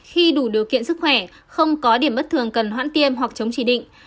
khi đủ điều kiện sức khỏe không có điểm bất thường cần hoãn tiêm hoặc chống chỉ định